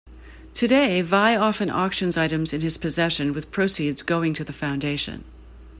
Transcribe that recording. Today, Vai often auctions items in his possession with proceeds going to the foundation.